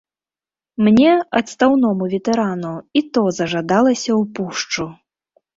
Мне, адстаўному ветэрану, і то зажадалася ў пушчу.